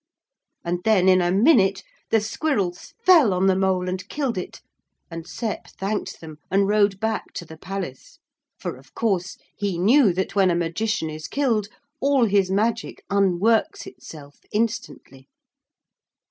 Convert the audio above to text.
And then in a minute the squirrels fell on the mole and killed it, and Sep thanked them and rode back to the palace, for, of course, he knew that when a magician is killed, all his magic unworks itself instantly.